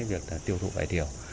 việc tiêu thụ vải thiểu